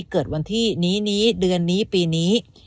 เกิดวันที่นี้เดือนนี้ปีนี้